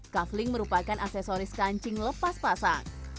kafling merupakan aksesoris kancing lepas pasang